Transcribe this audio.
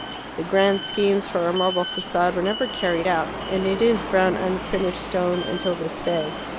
The grand schemes for a marble facade were never carried out, and it is brown unfinished stone until this day.